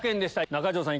中条さん